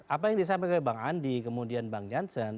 apa yang disampaikan bang andi kemudian bang jansen